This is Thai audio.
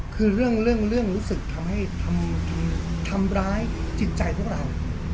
คือเรื่องเรื่องเรื่องรู้สึกทำให้ทำทำร้ายจิตใจพวกเรา